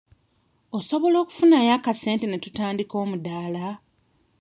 Osobola okufunayo akasente ne tutandika omudaala?